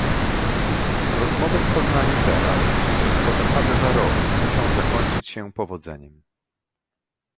Rozmowy w Poznaniu teraz i w Kopenhadze za rok muszą zakończyć się powodzeniem